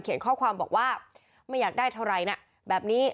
ข้อความบอกว่าไม่อยากได้เท่าไหร่นะแบบนี้